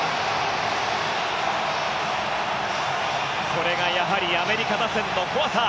これがやはりアメリカ打線の怖さ。